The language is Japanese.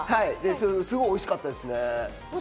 すごくおいしかったですね。